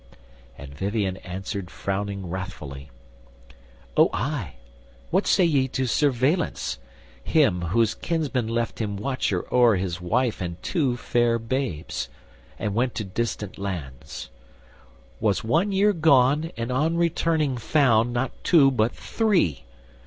And Vivien answered frowning wrathfully: "O ay, what say ye to Sir Valence, him Whose kinsman left him watcher o'er his wife And two fair babes, and went to distant lands; Was one year gone, and on returning found Not two but three?